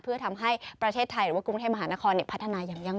เพื่อทำให้ประเทศไทยหรือว่ากรุงเทพมหานครพัฒนาอย่างยั่ง